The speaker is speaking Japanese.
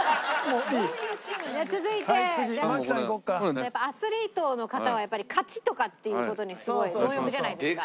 やっぱアスリートの方は勝ちとかっていう事にすごい貪欲じゃないですか。